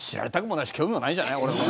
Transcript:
ないし興味もないじゃない、俺も。